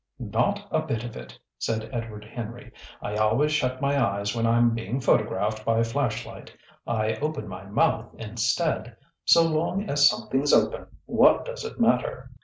"Not a bit of it!" said Edward Henry. "I always shut my eyes when I'm being photographed by flash light. I open my mouth instead. So long as something's open, what does it matter?"